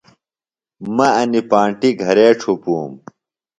مہ انیۡ پانٹیۡ گھرے ڇھُپوم۔